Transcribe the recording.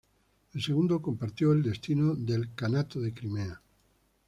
El segundo compartió el destino del Kanato de Crimea.